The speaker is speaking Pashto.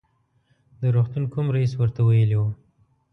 د روغتون کوم رئیس ورته ویلي و.